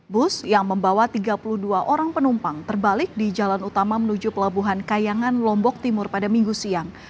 bus yang membawa tiga puluh dua orang penumpang terbalik di jalan utama menuju pelabuhan kayangan lombok timur pada minggu siang